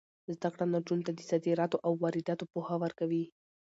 زده کړه نجونو ته د صادراتو او وارداتو پوهه ورکوي.